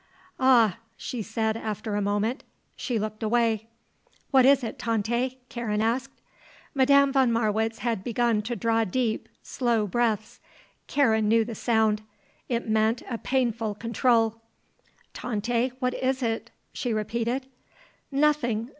"Ah," she said after a moment. She looked away. "What is it, Tante?" Karen asked. Madame von Marwitz had begun to draw deep, slow breaths. Karen knew the sound; it meant a painful control. "Tante, what is it?" she repeated. "Nothing.